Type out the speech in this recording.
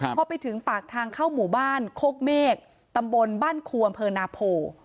พอไปถึงปากทางเข้าหมู่บ้านโคกเมฆตำบลบ้านคัวอำเภอนาโพ